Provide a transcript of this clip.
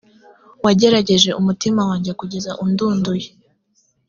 wagerageje umutima wanjye kugeza undunduye